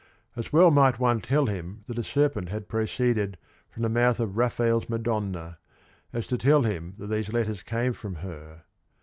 As well might one tell him that a serpent had proceeded from the mouth of Raphael's Madonna as to tell him that these letters came from her.